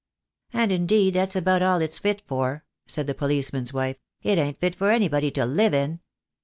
"And indeed that's about all it's fit for," said the policeman's wife. "It ain't fit for anybody to live in."